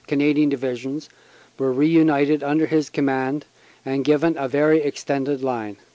Canadian Divi sions were reunited under his command and given a very extended line.